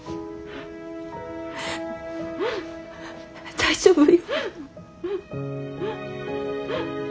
大丈夫よ。